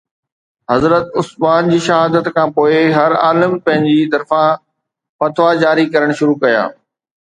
حضرت عثمان جي شهادت کان پوءِ هر عالم پنهنجي طرفان فتويٰ جاري ڪرڻ شروع ڪيا